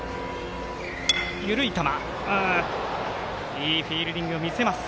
いいフィールディングを見せます。